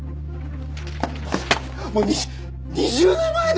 もう２０年前だよ！？